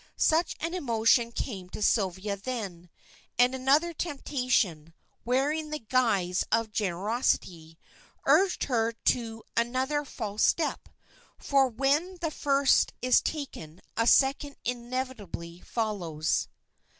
Such an emotion came to Sylvia then, and another temptation, wearing the guise of generosity, urged her to another false step, for when the first is taken a second inevitably follows.